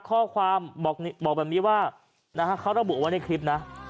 ข้อความบอกแบบนี้ว่าเขาระบุว่าในคลิปนะ